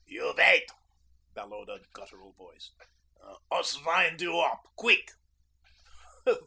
'You vait,' bellowed a guttural voice. 'Us vind you op quick!'